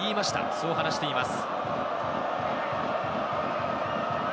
そう話しています。